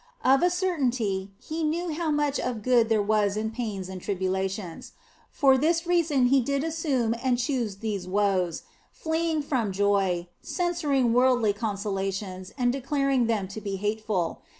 Of a certainty He knew how much of good there was in pains and tribulations. For which reason He did assume and choose these woes, fleeing from joy, censuring worldly consolations and declaring them to be hateful.